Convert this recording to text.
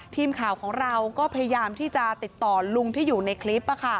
ทีมข่าวของเราก็พยายามที่จะติดต่อลุงที่อยู่ในคลิป